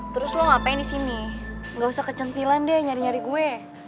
terus lo ngapain di sini gak usah kecentilan deh nyari nyari gue